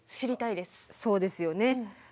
そうですよね。